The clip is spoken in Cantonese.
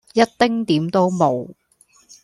一丁點都無